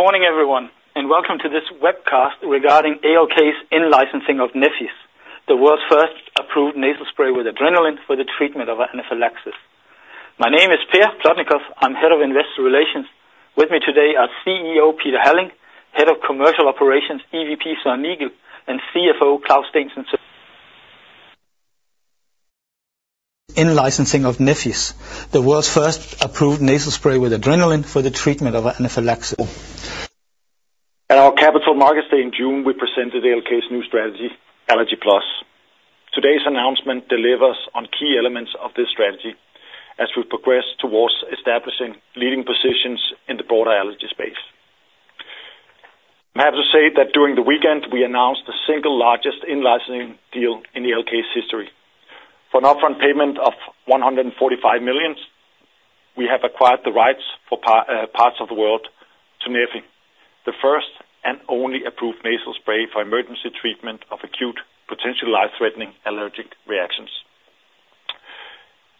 Good morning, everyone, and welcome to this webcast regarding ALK's in-licensing of Neffy, the world's first approved nasal spray with adrenaline for the treatment of anaphylaxis. My name is Per Plotnikof. I'm head of investor relations. With me today are CEO Peter Halling, head of commercial operations EVP Søren Niegel, and CFO Claus Steensen Sølje. In-licensing of Neffy, the world's first approved nasal spray with adrenaline for the treatment of anaphylaxis. At our Capital Markets Day in June, we presented ALK's new strategy, Allergy Plus. Today's announcement delivers on key elements of this strategy as we progress towards establishing leading positions in the broader allergy space. I have to say that during the weekend, we announced the single largest in-licensing deal in ALK's history. For an upfront payment of 145 million, we have acquired the rights for parts of the world to Neffy, the first and only approved nasal spray for emergency treatment of acute, potentially life-threatening allergic reactions.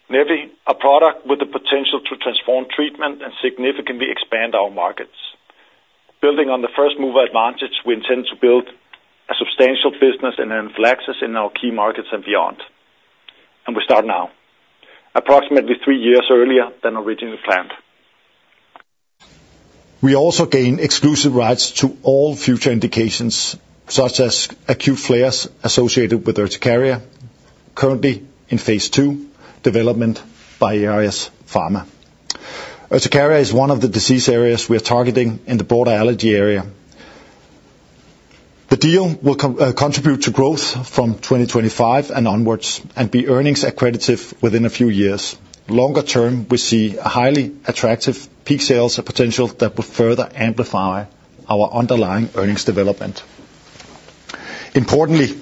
Neffy, a product with the potential to transform treatment and significantly expand our markets. Building on the first-mover advantage, we intend to build a substantial business in anaphylaxis in our key markets and beyond. We start now, approximately three years earlier than originally planned. We also gain exclusive rights to all future indications, such as acute flares associated with urticaria, currently in phase 2 development by ARS Pharma. Urticaria is one of the disease areas we are targeting in the broader allergy area. The deal will contribute to growth from 2025 and onwards and be earnings-accretive within a few years. Longer term, we see highly attractive peak sales potential that will further amplify our underlying earnings development. Importantly,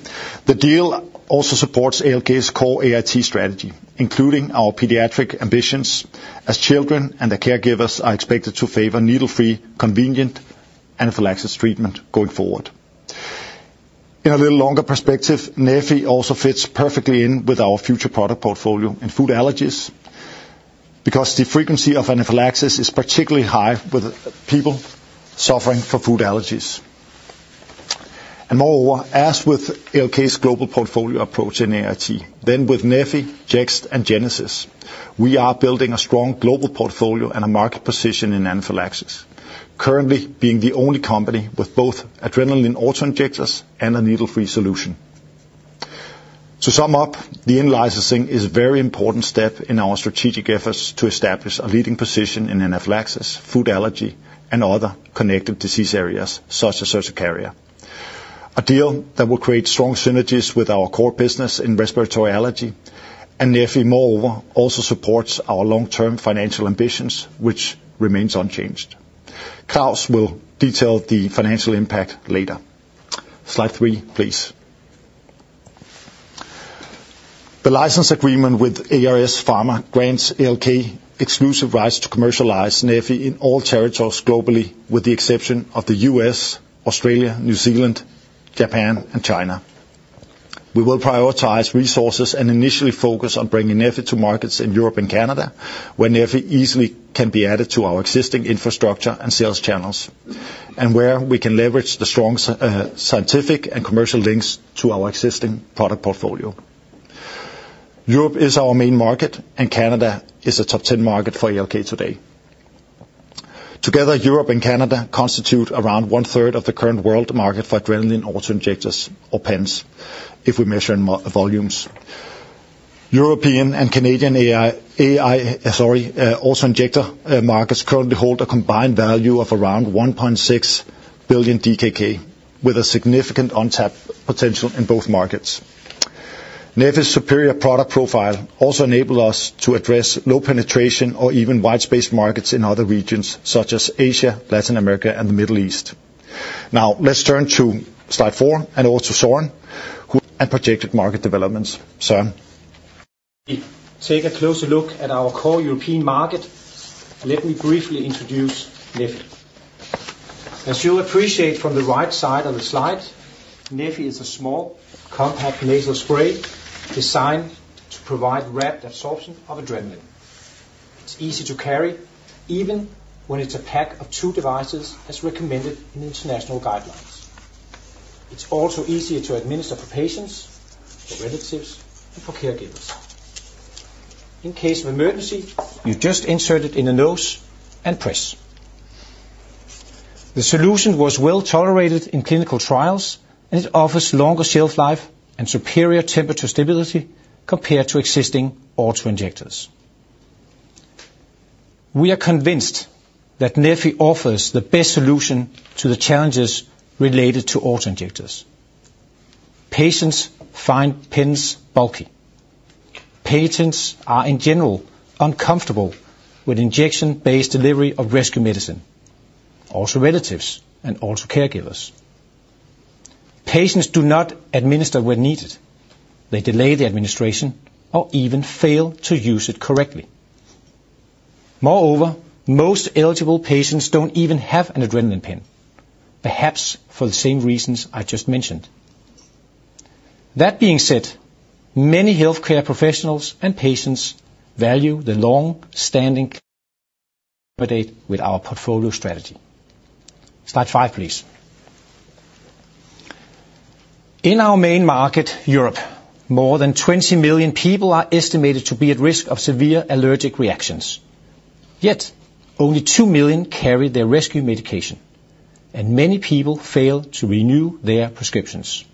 the deal also supports ALK's core AIT strategy, including our pediatric ambitions, as children and their caregivers are expected to favor needle-free, convenient anaphylaxis treatment going forward. In a little longer perspective, Neffy also fits perfectly in with our future product portfolio in food allergies because the frequency of anaphylaxis is particularly high with people suffering from food allergies. Moreover, as with ALK's global portfolio approach in AIT, then with Neffy, Jext, and Genesis, we are building a strong global portfolio and a market position in anaphylaxis, currently being the only company with both adrenaline autoinjectors and a needle-free solution. To sum up, the in-licensing is a very important step in our strategic efforts to establish a leading position in anaphylaxis, food allergy, and other connected disease areas such as urticaria. A deal that will create strong synergies with our core business in respiratory allergy. Nephi, moreover, also supports our long-term financial ambitions, which remains unchanged. Claus will detail the financial impact later. Slide three, please. The license agreement with ARS Pharma grants ALK exclusive rights to commercialize Neffy in all territories globally, with the exception of the U.S., Australia, New Zealand, Japan, and China. We will prioritize resources and initially focus on bringing Neffy to markets in Europe and Canada, where Neffy easily can be added to our existing infrastructure and sales channels, and where we can leverage the strong scientific and commercial links to our existing product portfolio. Europe is our main market, and Canada is a top 10 market for ALK today. Together, Europe and Canada constitute around one-third of the current world market for adrenaline autoinjectors, or pens, if we measure in volumes. European and Canadian AI autoinjector markets currently hold a combined value of around 1.6 billion DKK, with a significant untapped potential in both markets. Neffy's superior product profile also enables us to address low penetration or even white space markets in other regions, such as Asia, Latin America, and the Middle East. Now, let's turn to slide four and over to Søren. Projected market developments. Søren. Take a closer look at our core European market. Let me briefly introduce Neffy. As you'll appreciate from the right side of the slide, Neffy is a small, compact nasal spray designed to provide rapid absorption of adrenaline. It's easy to carry, even when it's a pack of two devices, as recommended in international guidelines. It's also easier to administer for patients, for relatives, and for caregivers. In case of emergency. You just insert it in the nose and press. The solution was well tolerated in clinical trials, and it offers longer shelf life and superior temperature stability compared to existing autoinjectors. We are convinced that Neffy offers the best solution to the challenges related to autoinjectors. Patients find pens bulky. Patients are, in general, uncomfortable with injection-based delivery of rescue medicine, also relatives and also caregivers. Patients do not administer when needed. They delay the administration or even fail to use it correctly. Moreover, most eligible patients don't even have an adrenaline pen, perhaps for the same reasons I just mentioned. That being said, many healthcare professionals and patients value the long-standing accommodation with our portfolio strategy. Slide five, please. In our main market, Europe, more than 20 million people are estimated to be at risk of severe allergic reactions. Yet, only two million carry their rescue medication, and many people fail to renew their prescriptions.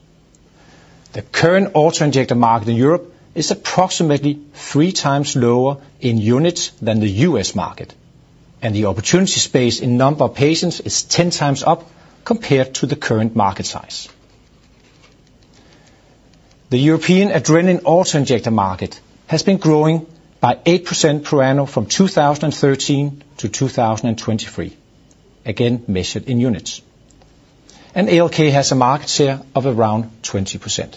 The current autoinjector market in Europe is approximately three times lower in units than the U.S. market, and the opportunity space in number of patients is 10 times up compared to the current market size. The European adrenaline autoinjector market has been growing by 8% per annum from 2013-2023, again measured in units. And ALK has a market share of around 20%.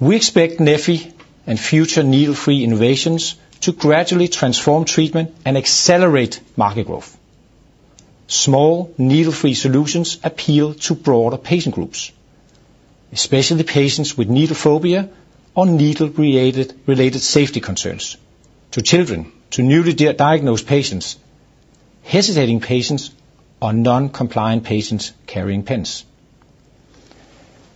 We expect Neffy and future needle-free innovations to gradually transform treatment and accelerate market growth. Small needle-free solutions appeal to broader patient groups, especially patients with needle phobia or needle-related safety concerns, to children, to newly diagnosed patients, hesitating patients, or non-compliant patients carrying pens.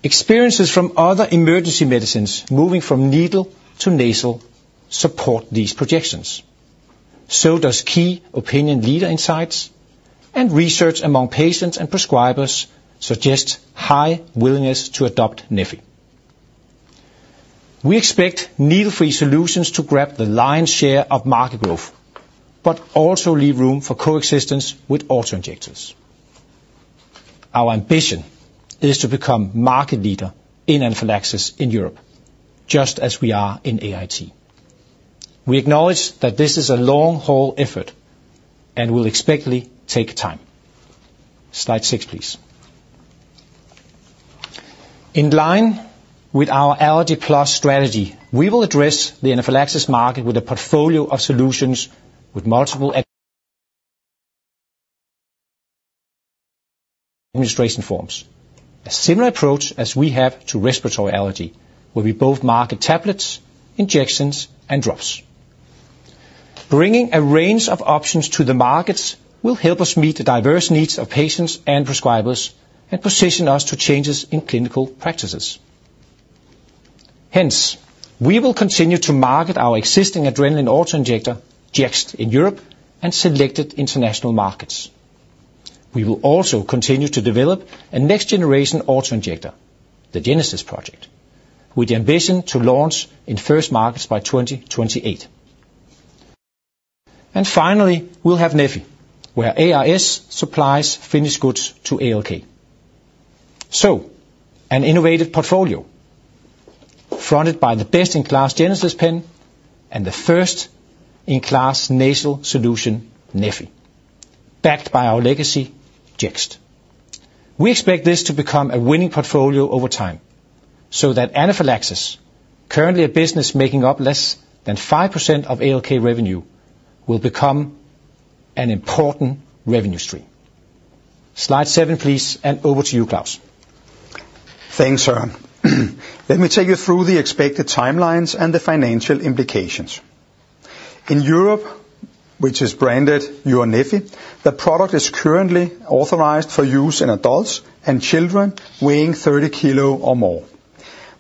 Experiences from other emergency medicines moving from needle to nasal support these projections. So, does key opinion leader insights and research among patients and prescribers suggest high willingness to adopt Neffy? We expect needle-free solutions to grab the lion's share of market growth, but also leave room for coexistence with autoinjectors. Our ambition is to become market leader in anaphylaxis in Europe, just as we are in AIT. We acknowledge that this is a long-haul effort and will expectedly take time. Slide six, please. In line with our Allergy Plus strategy, we will address the anaphylaxis market with a portfolio of solutions with multiple administration forms. A similar approach as we have to respiratory allergy, where we both market tablets, injections, and drops. Bringing a range of options to the markets will help us meet the diverse needs of patients and prescribers and position us to changes in clinical practices. Hence, we will continue to market our existing adrenaline autoinjector, Jext, in Europe and selected international markets. We will also continue to develop a next-generation autoinjector, the Genesis project, with the ambition to launch in first markets by 2028. And finally, we'll have Neffy, where ARS supplies finished goods to ALK. So, an innovative portfolio fronted by the best-in-class Genesis pen and the first-in-class nasal solution, Neffy, backed by our legacy, Jext. We expect this to become a winning portfolio over time so that anaphylaxis, currently a business making up less than 5% of ALK revenue, will become an important revenue stream. Slide seven, please, and over to you, Claus. Thanks, Søren. Let me take you through the expected timelines and the financial implications. In Europe, which is branded EURneffy, the product is currently authorized for use in adults and children weighing 30 kilos or more.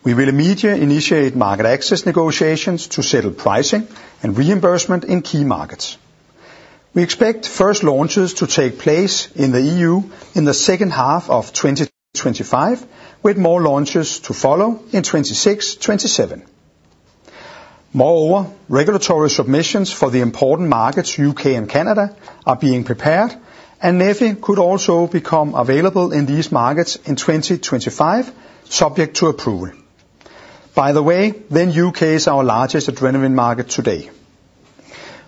We will immediately initiate market access negotiations to settle pricing and reimbursement in key markets. We expect first launches to take place in the E.U. in the second half of 2025, with more launches to follow in 2026, 2027. Moreover, regulatory submissions for the important markets, U.K. and Canada, are being prepared, and Neffy could also become available in these markets in 2025, subject to approval. By the way, then U.K. is our largest adrenaline market today.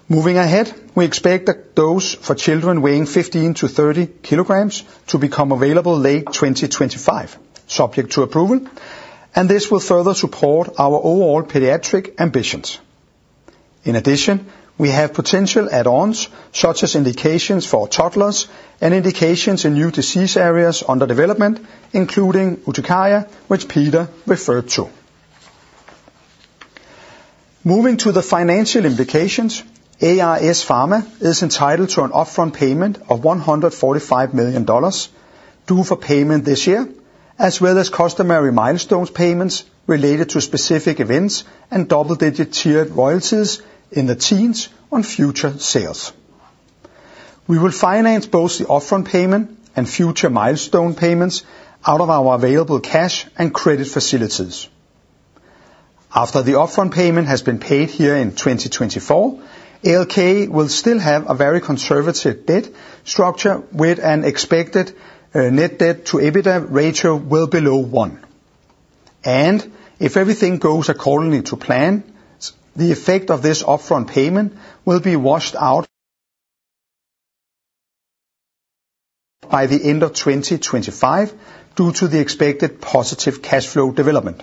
Moving ahead, we expect a dose for children weighing 15-30 kilograms to become available late 2025, subject to approval, and this will further support our overall pediatric ambitions. In addition, we have potential add-ons such as indications for toddlers and indications in new disease areas under development, including urticaria, which Peter referred to. Moving to the financial implications, ARS Pharma is entitled to an upfront payment of $145 million due for payment this year, as well as customary milestones payments related to specific events and double-digit tiered royalties in the teens on future sales. We will finance both the upfront payment and future milestone payments out of our available cash and credit facilities. After the upfront payment has been paid here in 2024, ALK will still have a very conservative debt structure with an expected net debt-to-EBITDA ratio well below one, and if everything goes accordingly to plan, the effect of this upfront payment will be washed out by the end of 2025 due to the expected positive cash flow development.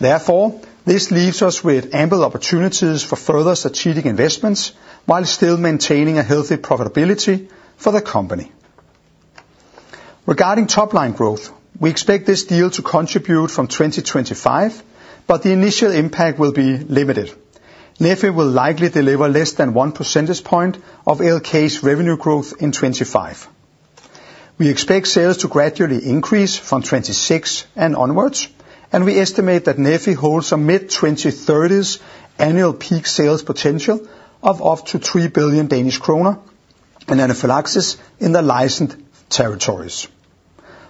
Therefore, this leaves us with ample opportunities for further strategic investments while still maintaining a healthy profitability for the company. Regarding top-line growth, we expect this deal to contribute from 2025, but the initial impact will be limited. Neffy will likely deliver less than one percentage point of ALK's revenue growth in 2025. We expect sales to gradually increase from 2026 and onwards, and we estimate that Neffy holds a mid-2030s annual peak sales potential of up to 3 billion Danish kroner in anaphylaxis in the licensed territories.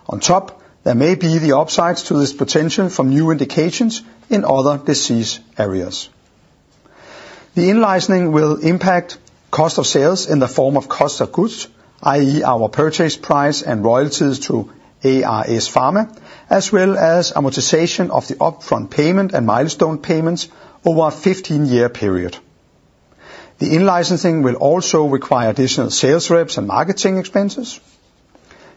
On top, there may be the upsides to this potential from new indications in other disease areas. The in-licensing will impact cost of sales in the form of cost of goods, i.e., our purchase price and royalties to ARS Pharma, as well as amortization of the upfront payment and milestone payments over a 15-year period. The in-licensing will also require additional sales reps and marketing expenses.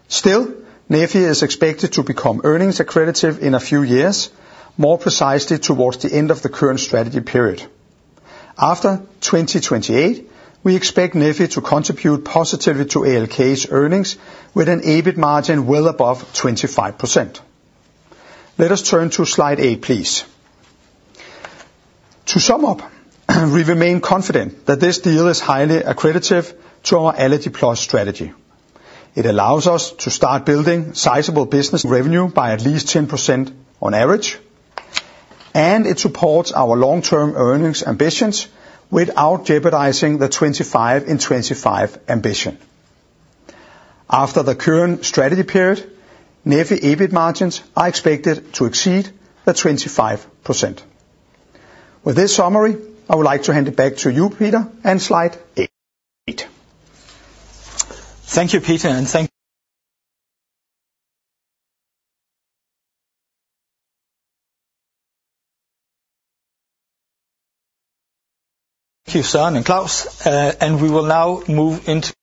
Still, Neffy is expected to become earnings-accretive in a few years, more precisely towards the end of the current strategy period. After 2028, we expect Neffy to contribute positively to ALK's earnings with an EBIT margin well above 25%. Let us turn to slide eight, please. To sum up, we remain confident that this deal is highly accretive to our Allergy Plus strategy. It allows us to start building sizable business revenue by at least 10% on average, and it supports our long-term earnings ambitions without jeopardizing the 25 in 25 ambition. After the current strategy period, Neffy EBIT margins are expected to exceed the 25%. With this summary, I would like to hand it back to you, Peter, and slide eight. Thank you, Peter, and thank you. Thank you, Søren and Claus. And we will now move into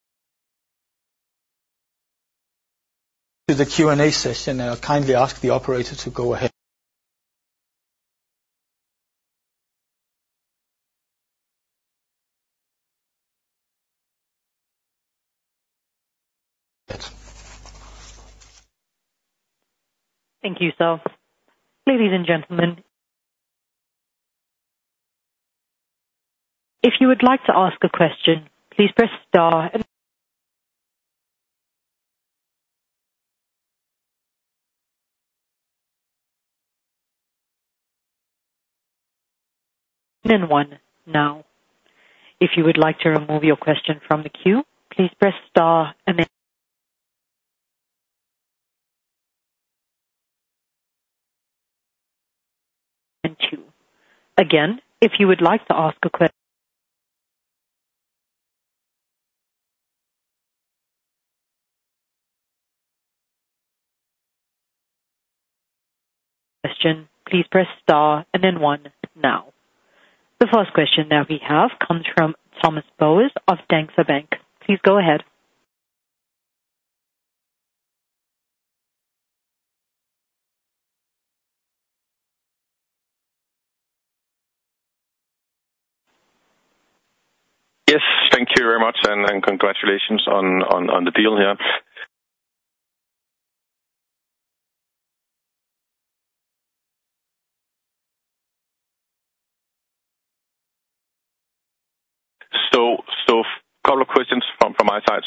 the Q&A session, and I'll kindly ask the operator to go ahead. Thank you, Søren. Ladies and gentlemen, if you would like to ask a question, please press star and one now. If you would like to remove your question from the queue, please press star and two. Again, if you would like to ask a question, please press star and then one now. The first question that we have comes from Thomas Bowers of Danske Bank. Please go ahead. Yes, thank you very much, and congratulations on the deal here. A couple of questions from my side.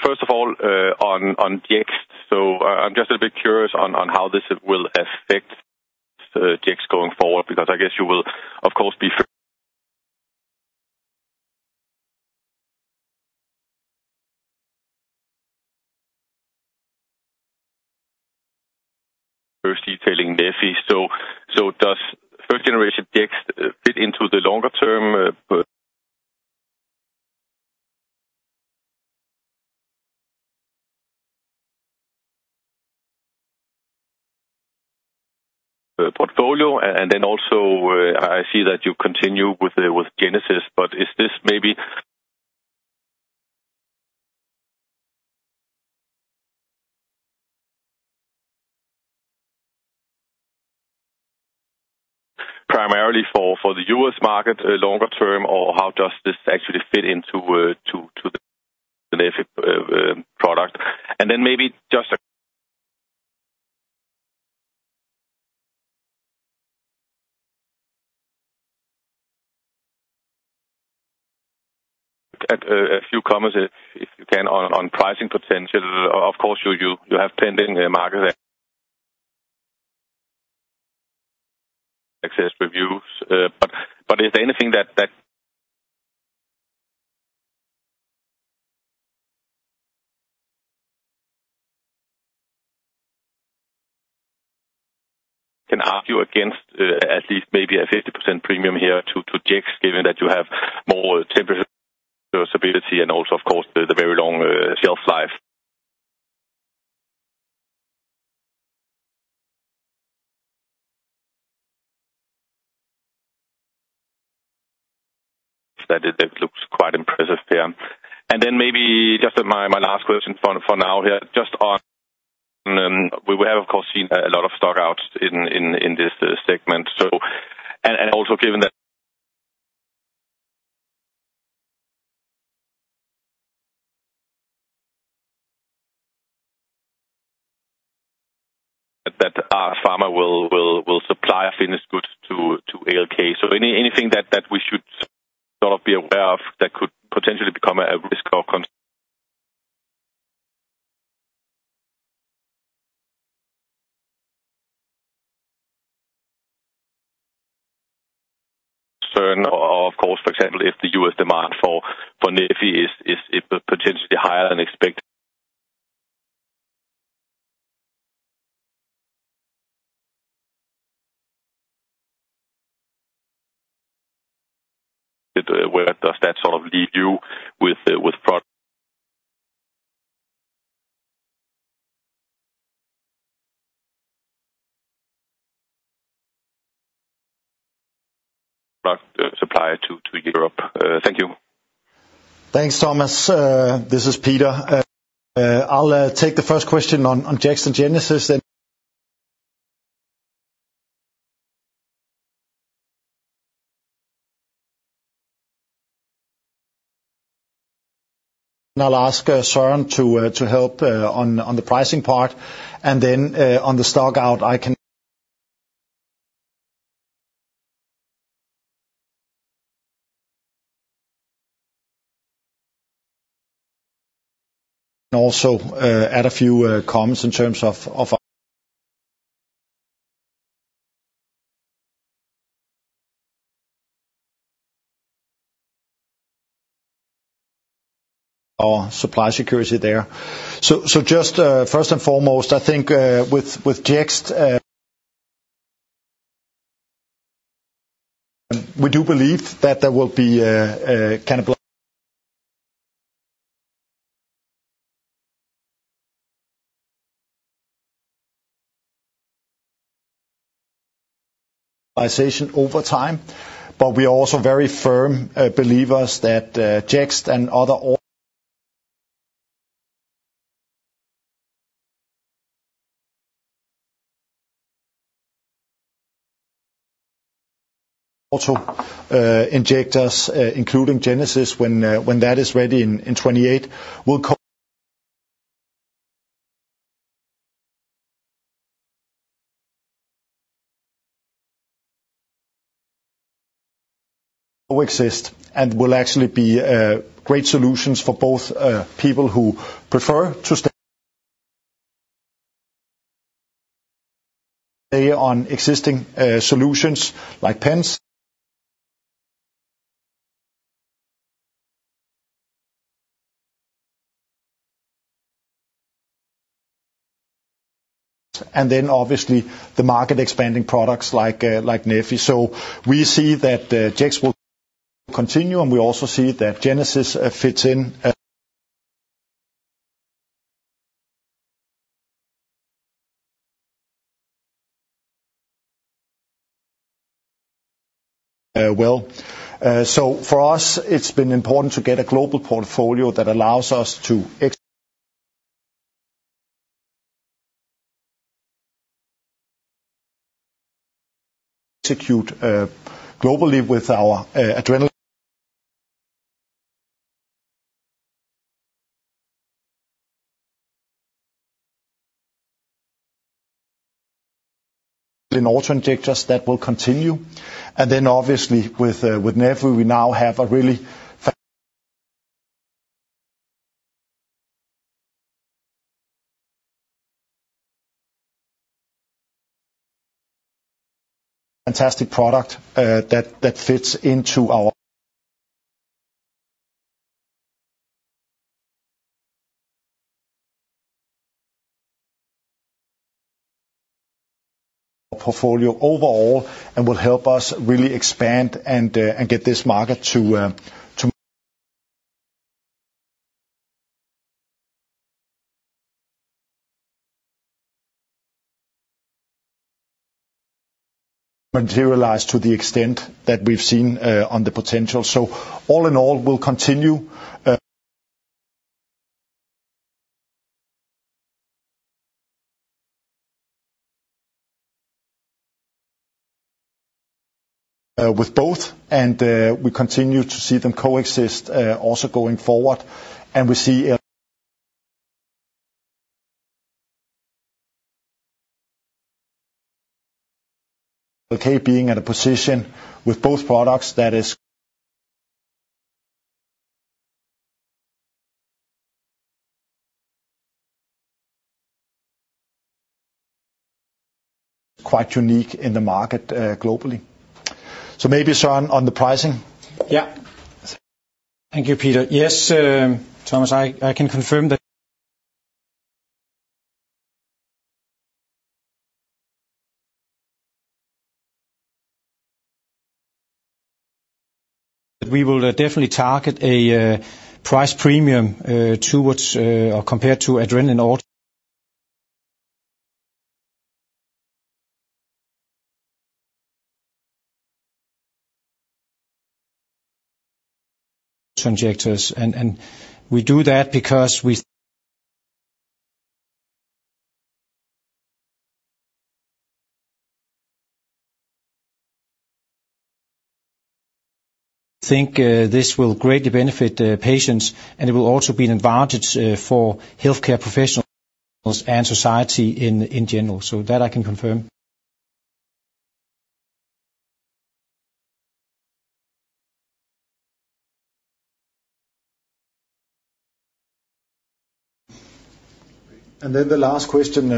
First of all, on Jext, I'm just a bit curious on how this will affect Jext going forward, because I guess you will, of course, be first detailing Neffy. Does first-generation Jext fit into the longer-term portfolio? And then also, I see that you continue with Genesis, but is this maybe primarily for the U.S. market longer term, or how does this actually fit into the Neffy product? And then maybe just a few comments if you can on pricing potential. Of course, you have pending market access reviews, but is there anything that can argue against at least maybe a 50% premium here to Jext, given that you have more stability and also, of course, the very long shelf life? That looks quite impressive here. And then maybe just my last question for now here, just on we have, of course, seen a lot of stock out in this segment. And also given that ARS Pharma will supply finished goods to ALK, so anything that we should sort of be aware of that could potentially become a risk of Sourcing, or of course, for example, if the US demand for Neffy is potentially higher than expected, where does that sort of leave you with product supply to Europe? Thank you. Thanks, Thomas. This is Peter. I'll take the first question on Jext and Genesis, and I'll ask Søren to help on the pricing part, and then on the stock out, I can also add a few comments in terms of our supply security there. Just first and foremost, I think with Jext, we do believe that there will be succession over time, but we are also very firm believers that Jext and other injectors, including Genesis, when that is ready in 2028, will coexist and will actually be great solutions for both people who prefer to stay on existing solutions like EpiPens and then obviously the market-expanding products like Neffy. We see that Jext will continue, and we also see that Genesis fits in well. So for us, it's been important to get a global portfolio that allows us to execute globally with our adrenaline auto-injectors that will continue. And then obviously with Neffy, we now have a really fantastic product that fits into our portfolio overall and will help us really expand and get this market to materialize to the extent that we've seen on the potential. So all in all, we'll continue with both, and we continue to see them coexist also going forward. And we see ALK being at a position with both products that is quite unique in the market globally. So maybe, Søren, on the pricing. Yeah. Thank you, Peter. Yes, Thomas, I can confirm that we will definitely target a price premium compared to adrenaline auto-injectors. We do that because we think this will greatly benefit patients, and it will also be an advantage for healthcare professionals and society in general. So that I can confirm. Then the last question,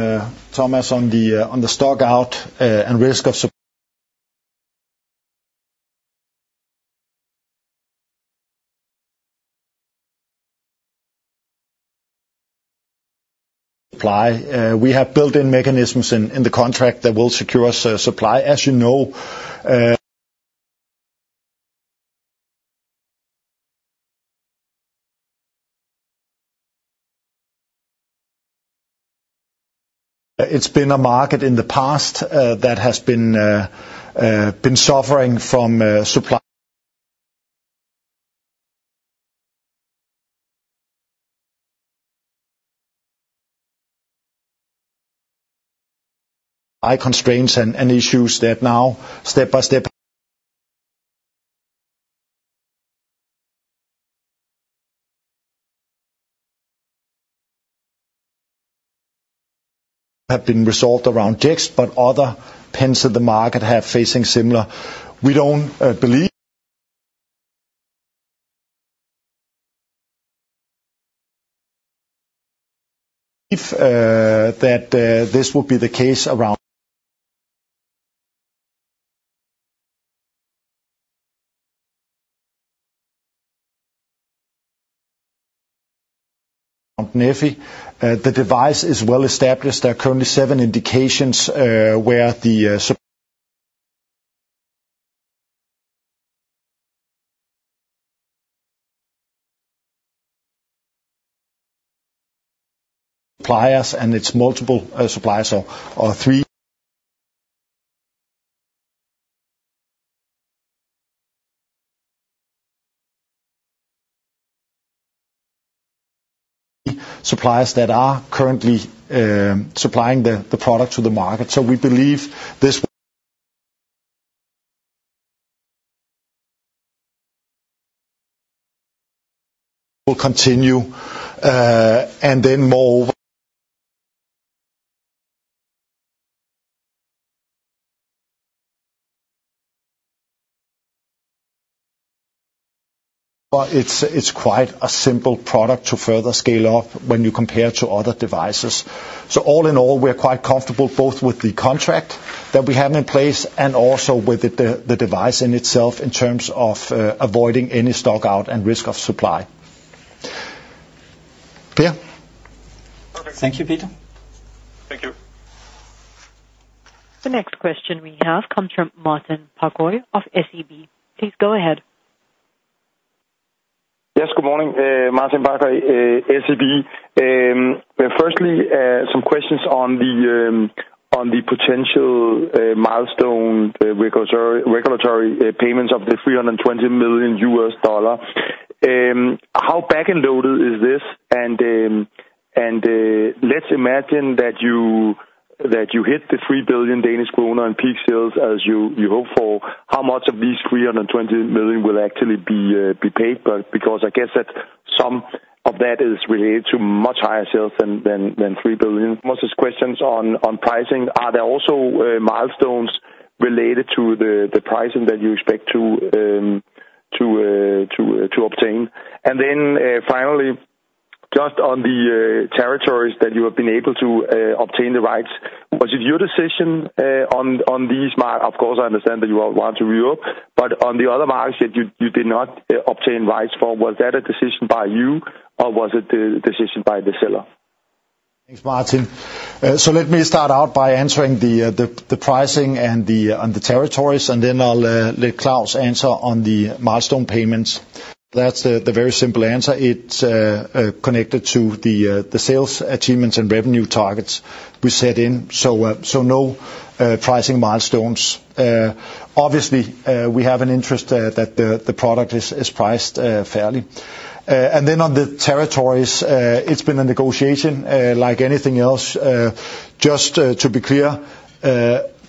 Thomas, on the stock out and risk of supply. We have built-in mechanisms in the contract that will secure supply. As you know, it's been a market in the past that has been suffering from supply constraints and issues that now, step by step, have been resolved around Jext, but other PENS in the market have facing similar. We don't believe that this will be the case around Neffy. The device is well established. There are currently seven indications where the suppliers and its multiple suppliers are three. Suppliers that are currently supplying the product to the market. So we believe this will continue, and then more, it's quite a simple product to further scale up when you compare to other devices. So all in all, we're quite comfortable both with the contract that we have in place and also with the device in itself in terms of avoiding any stock out and risk of supply. Clear? Perfect. Thank you, Peter. Thank you. The next question we have comes from Martin Parkhøi of SEB. Please go ahead. Yes, good morning, Martin Parkhøi at SEB. Firstly, some questions on the potential milestone regulatory payments of the $320 million. How back and loaded is this? And let's imagine that you hit the 3 billion Danish kroner in peak sales as you hope for. How much of these $320 million will actually be paid? Because I guess that some of that is related to much higher sales than 3 billion. Most of these questions on pricing, are there also milestones related to the pricing that you expect to obtain? And then finally, just on the territories that you have been able to obtain the rights, was it your decision on these markets? Of course, I understand that you want to reopen, but on the other markets that you did not obtain rights for, was that a decision by you or was it a decision by the seller? Thanks, Martin. So let me start out by answering the pricing and the territories, and then I'll let Claus answer on the milestone payments. That's the very simple answer. It's connected to the sales achievements and revenue targets we set in. So no pricing milestones. Obviously, we have an interest that the product is priced fairly. And then on the territories, it's been a negotiation like anything else. Just to be clear,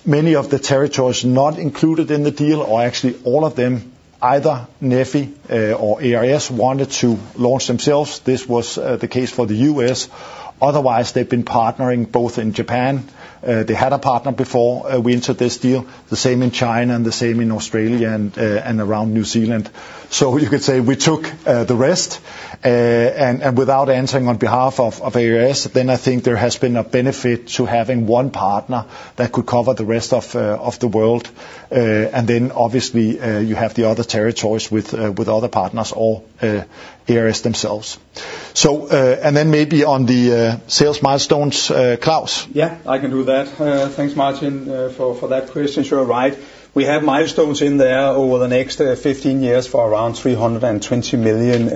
many of the territories not included in the deal, or actually all of them, either Neffy or ARS, wanted to launch themselves. This was the case for the U.S. Otherwise, they've been partnering both in Japan. They had a partner before we entered this deal, the same in China and the same in Australia and around New Zealand. So you could say we took the rest. And without answering on behalf of ARS, then I think there has been a benefit to having one partner that could cover the rest of the world. And then obviously, you have the other territories with other partners or ARS themselves. And then maybe on the sales milestones, Claus? Yeah, I can do that. Thanks, Martin, for that question. Sure, right. We have milestones in there over the next 15 years for around $320 million.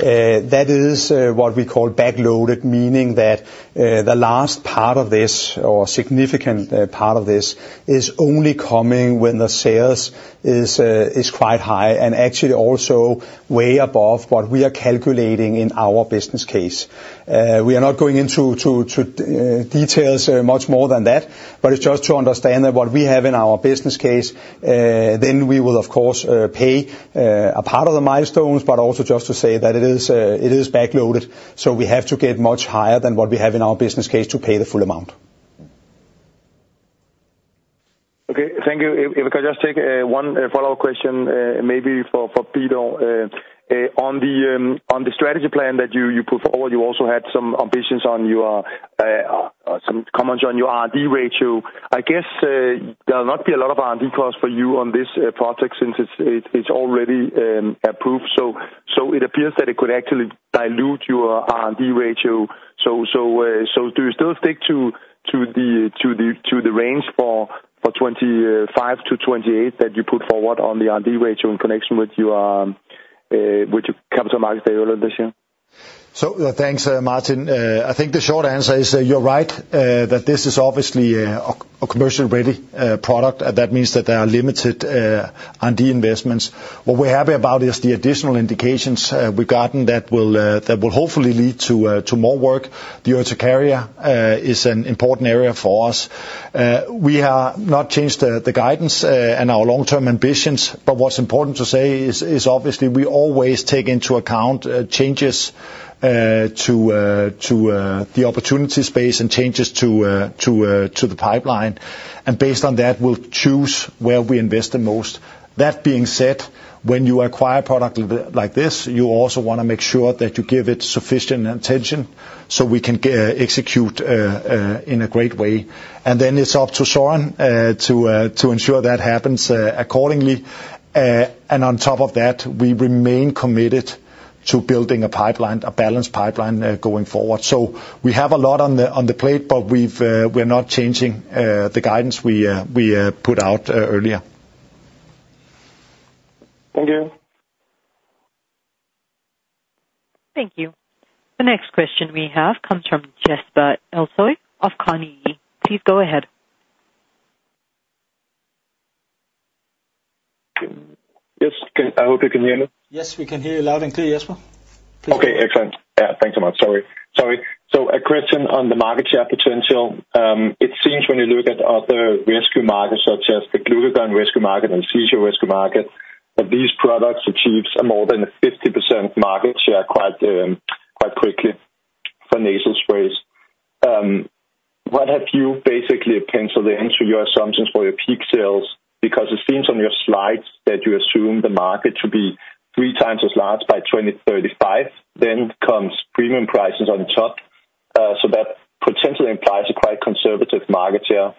That is what we call back loaded, meaning that the last part of this or significant part of this is only coming when the sales is quite high and actually also way above what we are calculating in our business case. We are not going into details much more than that, but it's just to understand that what we have in our business case, then we will, of course, pay a part of the milestones, but also just to say that it is back loaded. So we have to get much higher than what we have in our business case to pay the full amount. Okay, thank you. If I could just take one follow-up question maybe for Peter. On the strategy plan that you put forward, you also had some ambitions on your comments on your R&D ratio. I guess there will not be a lot of R&D costs for you on this project since it's already approved. So it appears that it could actually dilute your R&D ratio. So do you still stick to the range for 2025-2028 that you put forward on the R&D ratio in connection with your capital markets earlier this year? So thanks, Martin. I think the short answer is you're right that this is obviously a commercially ready product, and that means that there are limited R&D investments. What we're happy about is the additional indications we've gotten that will hopefully lead to more work. The autoinjector is an important area for us. We have not changed the guidance and our long-term ambitions, but what's important to say is obviously we always take into account changes to the opportunity space and changes to the pipeline. And based on that, we'll choose where we invest the most. That being said, when you acquire a product like this, you also want to make sure that you give it sufficient attention so we can execute in a great way. And then it's up to Søren to ensure that happens accordingly. And on top of that, we remain committed to building a balanced pipeline going forward. So we have a lot on the plate, but we're not changing the guidance we put out earlier. Thank you. Thank you. The next question we have comes from Jesper Ilsøe of Carnegie. Please go ahead. Yes, I hope you can hear me. Yes, we can hear you loud and clear, Jesper. Okay, excellent. Yeah, thanks so much. Sorry. So a question on the market share potential. It seems when you look at other rescue markets such as the glucagon rescue market and the seizure rescue market, that these products achieve more than a 50% market share quite quickly for nasal sprays. What have you basically penciled into your assumptions for your peak sales? Because it seems on your slides that you assume the market to be three times as large by 2035, then comes premium prices on top. So that potentially implies a quite conservative market share.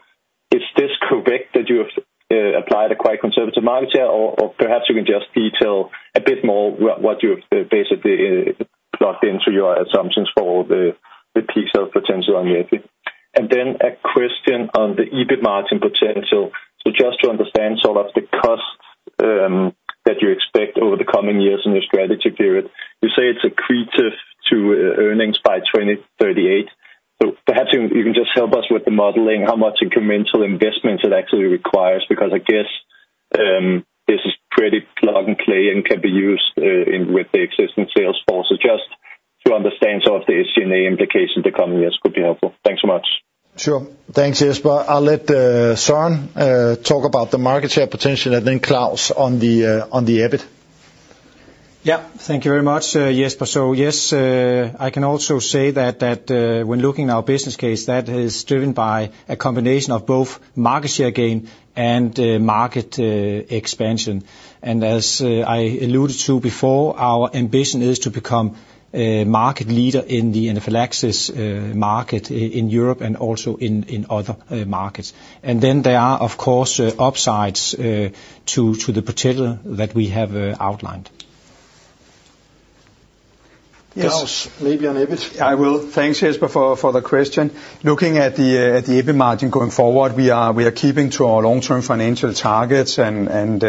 Is this correct that you have applied a quite conservative market share? Or perhaps you can just detail a bit more what you have basically plugged into your assumptions for the peak sales potential on Neffy. And then a question on the EBIT margin potential. Just to understand sort of the costs that you expect over the coming years in your strategy period. You say it's accretive to earnings by 2038. Perhaps you can just help us with the modeling, how much incremental investment it actually requires, because I guess this is pretty plug and play and can be used with the existing sales force. Just to understand sort of the SG&A implications the coming years could be helpful. Thanks so much. Sure. Thanks, Jesper. I'll let Søren talk about the market share potential and then Claus on the EBIT. Yeah, thank you very much, Jesper. So yes, I can also say that when looking at our business case, that is driven by a combination of both market share gain and market expansion. And as I alluded to before, our ambition is to become a market leader in the anaphylaxis market in Europe and also in other markets. And then there are, of course, upsides to the potential that we have outlined. Claus, maybe on EBIT? I will. Thanks, Jesper, for the question. Looking at the EBIT margin going forward, we are keeping to our long-term financial targets and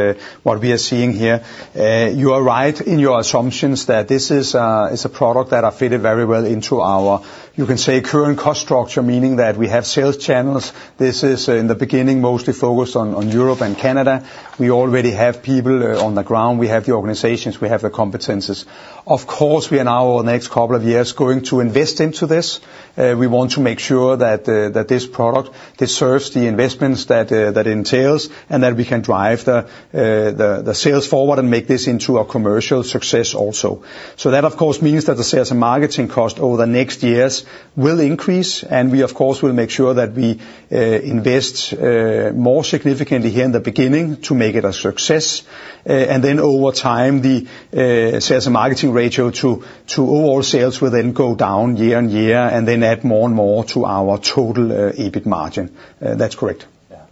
what we are seeing here. You are right in your assumptions that this is a product that is fitted very well into our, you can say, current cost structure, meaning that we have sales channels. This is, in the beginning, mostly focused on Europe and Canada. We already have people on the ground. We have the organizations. We have the competencies. Of course, we are now, over the next couple of years, going to invest into this. We want to make sure that this product serves the investments that it entails and that we can drive the sales forward and make this into a commercial success also. So that, of course, means that the sales and marketing cost over the next years will increase. And we, of course, will make sure that we invest more significantly here in the beginning to make it a success. And then over time, the sales and marketing ratio to overall sales will then go down year on year and then add more and more to our total EBIT margin. That's correct. Yeah.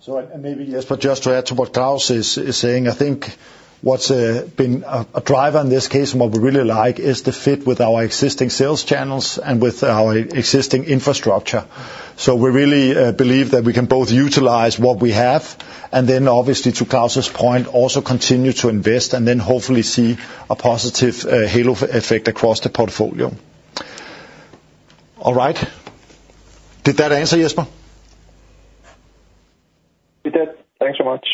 So maybe, Jesper, just to add to what Claus is saying, I think what's been a driver in this case and what we really like is the fit with our existing sales channels and with our existing infrastructure. So we really believe that we can both utilize what we have and then, obviously, to Claus's point, also continue to invest and then hopefully see a positive halo effect across the portfolio. All right. Did that answer, Jesper? Did that? Thanks so much.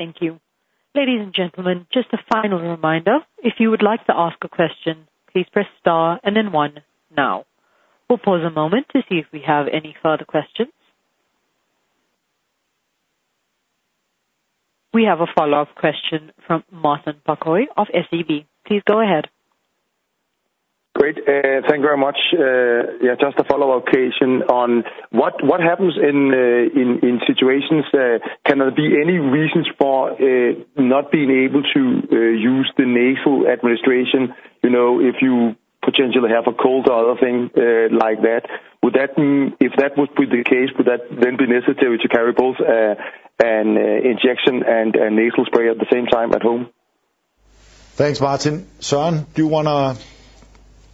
Thank you. Ladies and gentlemen, just a final reminder. If you would like to ask a question, please press star and then one now. We'll pause a moment to see if we have any further questions. We have a follow-up question from Martin Parkhøi of SEB. Please go ahead. Great. Thank you very much. Yeah, just a follow-up question on what happens in situations? Can there be any reasons for not being able to use the nasal administration if you potentially have a cold or other thing like that? If that would be the case, would that then be necessary to carry both an injection and a nasal spray at the same time at home? Thanks, Martin. Søren, do you want to?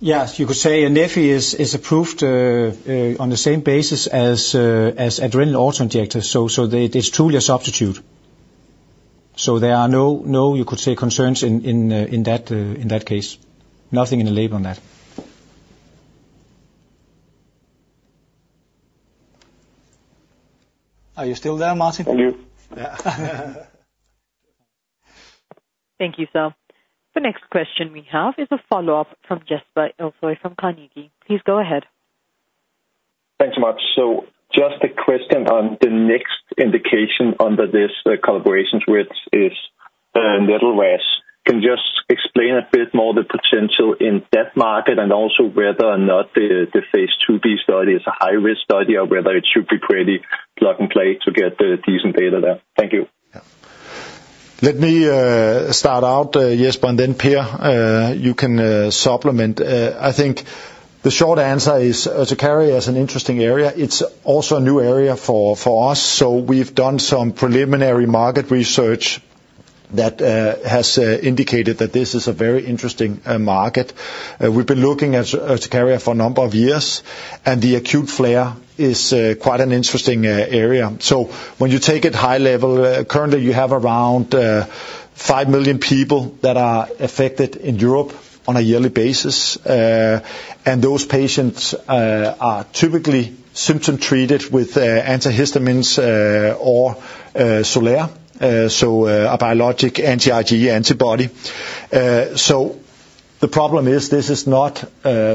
Yes, you could say Neffy is approved on the same basis as adrenaline auto-injectors. So it is truly a substitute. So there are no, you could say, concerns in that case. Nothing in the label on that. Are you still there, Martin? I'm here. Thank you, Sir. The next question we have is a follow-up from Jesper Ilsøe from Carnegie. Please go ahead. Thanks so much. Just a question on the next indication under this collaboration with ARS Pharma. Can you just explain a bit more the potential in that market and also whether or not the phase 2b study is a high-risk study or whether it should be pretty plug and play to get the decent data there? Thank you. Let me start out, Jesper, and then Per, you can supplement. I think the short answer is urticaria is an interesting area. It's also a new area for us. So we've done some preliminary market research that has indicated that this is a very interesting market. We've been looking at urticaria for a number of years, and the acute flare is quite an interesting area. So when you take it high level, currently you have around five million people that are affected in Europe on a yearly basis. And those patients are typically symptom treated with antihistamines or Xolair, so a biologic anti-IgE antibody. So the problem is this is not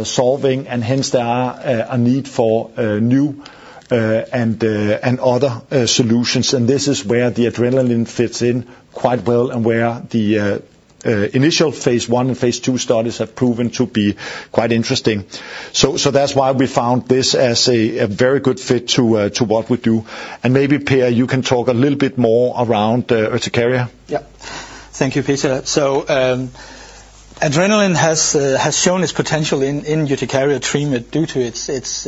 solving, and hence there is a need for new and other solutions. This is where the adrenaline fits in quite well and where the initial phase 1 and phase 2 studies have proven to be quite interesting. That's why we found this as a very good fit to what we do. Maybe Per, you can talk a little bit more around autoinjector. Yeah. Thank you, Peter. So adrenaline has shown its potential in urticaria treatment due to its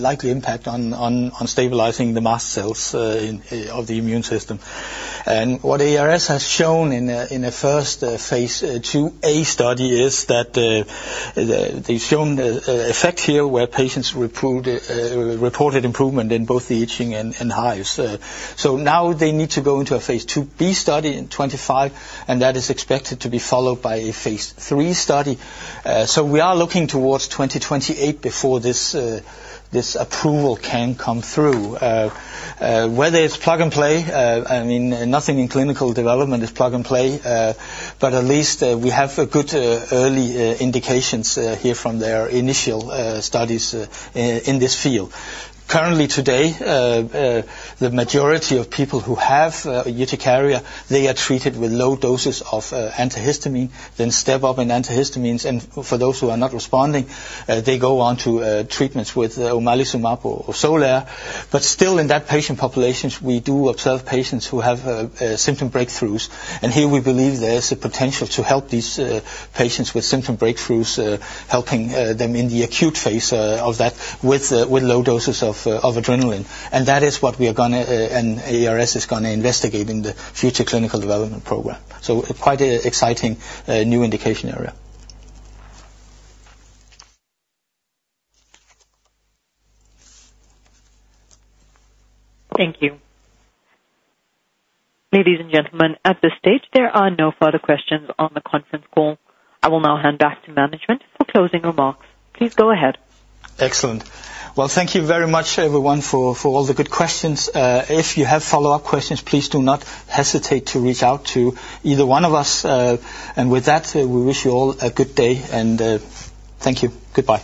likely impact on stabilizing the mast cells of the immune system. And what Xolaire has shown in a first phase 2a study is that they've shown effects here where patients reported improvement in both the itching and hives. So now they need to go into a phase 2b study in 2025, and that is expected to be followed by a phase 3 study. So we are looking towards 2028 before this approval can come through. Whether it's plug and play, I mean, nothing in clinical development is plug and play, but at least we have good early indications here from their initial studies in this field. Currently today, the majority of people who have urticaria, they are treated with low doses of antihistamine, then step up in antihistamines. For those who are not responding, they go on to treatments with omalizumab or Xolair. Still in that patient population, we do observe patients who have symptom breakthroughs. Here we believe there is a potential to help these patients with symptom breakthroughs, helping them in the acute phase of that with low doses of adrenaline. That is what we are going to, and ARS is going to investigate in the future clinical development program. Quite an exciting new indication area. Thank you. Ladies and gentlemen, at this stage, there are no further questions on the conference call. I will now hand back to management for closing remarks. Please go ahead. Excellent. Thank you very much, everyone, for all the good questions. If you have follow-up questions, please do not hesitate to reach out to either one of us. With that, we wish you all a good day. Thank you. Goodbye.